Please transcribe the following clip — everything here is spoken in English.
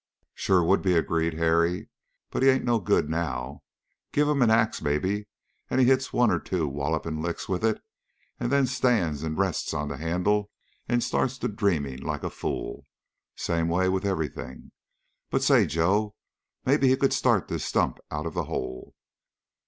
"Sure would be," agreed Harry. "But he ain't no good now. Give him an ax maybe, and he hits one or two wallopin' licks with it and then stands and rests on the handle and starts to dreaming like a fool. Same way with everything. But, say, Joe, maybe he could start this stump out of the hole."